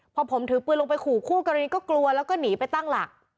พอผมถือปืนลงไปขู่คู่กรณีก็กลัวแล้วก็หนีไปตั้งหลัก